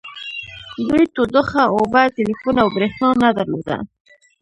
دوی تودوخه اوبه ټیلیفون او بریښنا نه درلوده